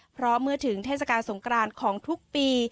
เพราะเมื่อถึงเทศกาลสงกรานของทุกปี